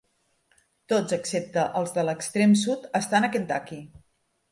Tots excepte els de l'extrem sud estan a Kentucky.